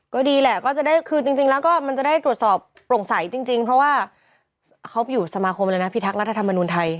ก็ดีแหละก็จะได้คือจริงแล้วก็มันจะได้ตรวจสอบโปร่งใสจริงเพราะว่าเขาไปอยู่สมาคมเลยนะพิทักษ์รัฐธรรมนุนไทย